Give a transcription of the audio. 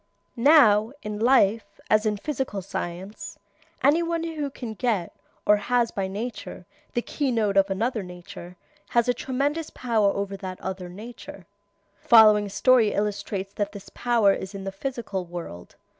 Now, in life, as in physical science, any one who can get, or has by nature, the key note of another nature, has a tremendous power over that other nature. The following story illustrates what this power is in the physical world.